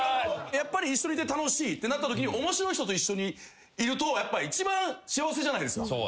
やっぱり一緒にいて楽しいってなったときに面白い人と一緒にいるとやっぱ一番幸せじゃないですか。